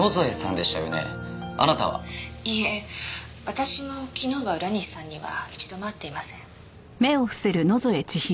私も昨日は浦西さんには一度も会っていません。